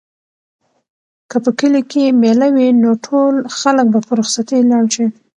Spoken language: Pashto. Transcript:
که په کلي کې مېله وي نو ټول خلک به په رخصتۍ لاړ شي.